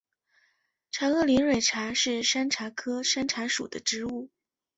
长萼连蕊茶是山茶科山茶属的植物。